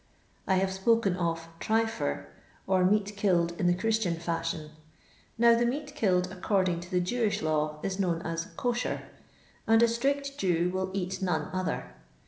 I haye spoken of " Tryfer," or meat killed in the Christian fashion. Now, the meat killed ac cording to the Jewish law is known as " Coshar," and a strict Jew will eat none other.